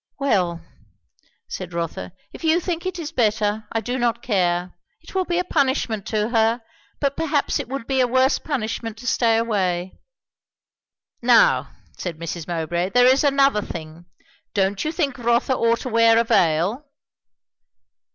"Well," said Rotha, "if you think it is better, I do not care. It will be a punishment to her, but perhaps it would be a worse punishment to stay away." "Now," said Mrs. Mowbray, "there is another thing. Don't you think Rotha ought to wear a veil?"